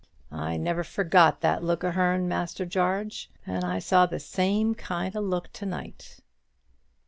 I never forgot that look o' hearn, Master Jarge; and I saw the same kind o' look to night."